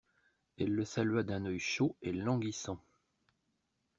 Elle le salua d'un œil chaud et languissant.